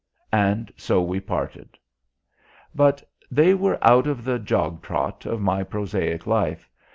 And so we parted. But they were out of the jog trot of my prosaic life.